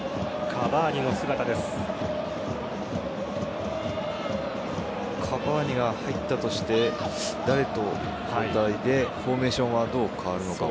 カヴァーニが入ったとして誰と交代で、フォーメーションはどう変わるのか。